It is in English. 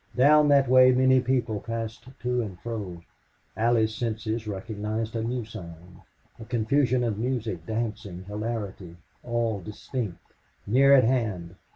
Down that way many people passed to and fro. Allie's senses recognized a new sound a confusion of music, dancing, hilarity, all distinct, near at hand.